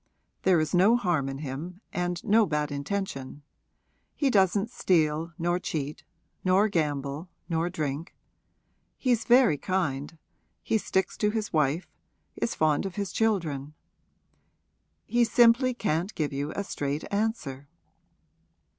There is no harm in him and no bad intention; he doesn't steal nor cheat nor gamble nor drink; he's very kind he sticks to his wife, is fond of his children. He simply can't give you a straight answer.'